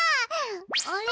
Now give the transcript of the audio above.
あれ？